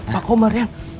pak omar ya